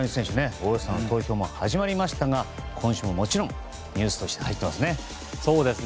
オールスターの投票も始まりましたが今週ももちろんニュースとして入っていますね。